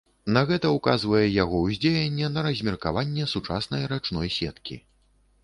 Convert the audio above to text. На гэта ўказвае яго ўздзеянне на размеркаванне сучаснай рачной сеткі.